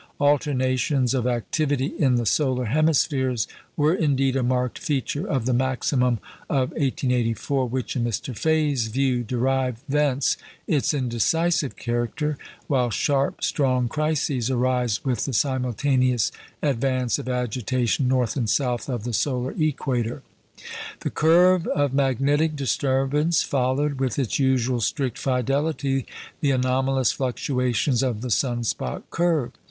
Alternations of activity in the solar hemispheres were indeed a marked feature of the maximum of 1884, which, in M. Faye's view, derived thence its indecisive character, while sharp, strong crises arise with the simultaneous advance of agitation north and south of the solar equator. The curve of magnetic disturbance followed with its usual strict fidelity the anomalous fluctuations of the sun spot curve.